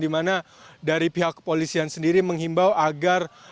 di mana dari pihak kepolisian sendiri menghimbau agar